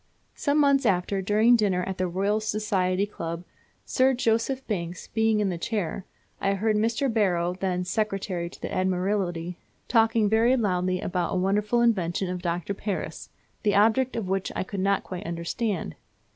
Some months after, during dinner at the Royal Society Club, Sir Joseph Banks being in the chair, I heard Mr. Barrow, then secretary to the Admiralty, talking very loudly about a wonderful invention of Dr. Paris, the object of which I could not quite understand.